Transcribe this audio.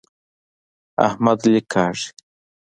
احمد لیک کاږي.